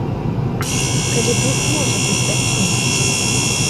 Калі дух можа быць такім?